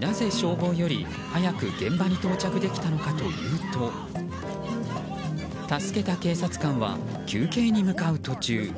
なぜ消防より早く現場に到着できたのかというと助けた警察官は休憩に向かう途中。